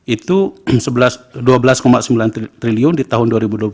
itu dua belas sembilan triliun di tahun dua ribu dua puluh satu